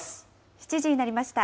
７時になりました。